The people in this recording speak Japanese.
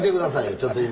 ちょっと今。